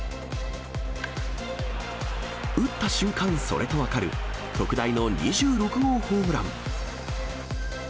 打った瞬間、それと分かる、特大の２６号ホームラン。